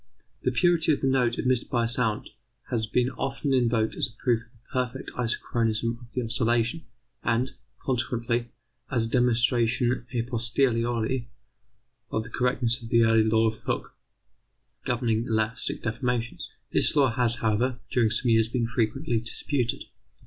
The purity of the note emitted by a sound has been often invoked as a proof of the perfect isochronism of the oscillation, and, consequently, as a demonstration a posteriori of the correctness of the early law of Hoocke governing elastic deformations. This law has, however, during some years been frequently disputed.